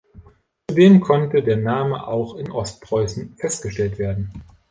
Zudem konnte der Name auch in Ostpreußen festgestellt werden.